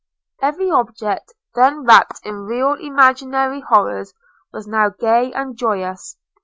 Every object, then wrapped in real and imaginary horrors, was now gay and joyous.